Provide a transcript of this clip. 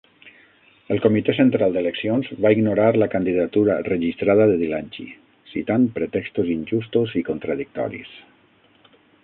El Comitè Central d'Eleccions va ignorar la candidatura registrada de Dilanchi, citant pretextos injustos i contradictoris.